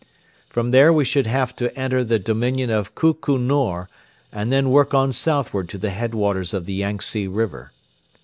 From there we should have to enter the Dominion of Kuku Nor and then work on southward to the head waters of the Yangtze River.